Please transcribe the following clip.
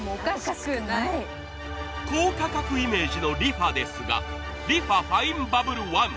高価格イメージのリファですが、リファファインバブルワン